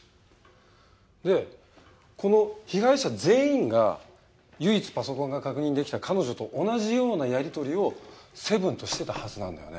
でこの被害者全員が唯一パソコンが確認できた彼女と同じようなやりとりをセブンとしてたはずなんだよね。